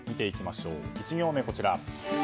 １行目、こちら。